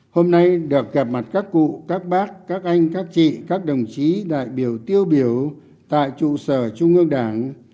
hôm nay được gặp mặt các cụ các bác các anh các chị các đồng chí đại biểu tiêu biểu tại trụ sở trung ương đảng